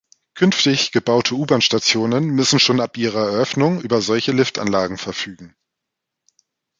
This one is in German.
Künftig gebaute U-Bahn-Stationen müssen schon ab ihrer Eröffnung über solche Liftanlagen verfügen.